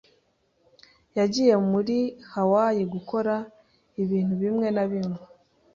Yagiye muri Hawaii gukora ibintu bimwe na bimwe.